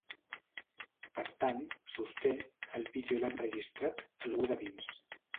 Per tant, sosté, el vídeo l’ha enregistrat ‘algú de dins’.